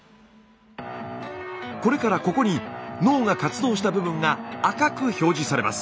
これからここに脳が活動した部分が赤く表示されます。